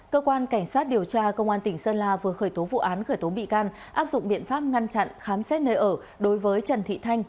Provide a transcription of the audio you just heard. cơ quan cảnh sát điều tra công an tỉnh sơn la vừa khởi tố vụ án khởi tố bị can áp dụng biện pháp ngăn chặn khám xét nơi ở đối với trần thị thanh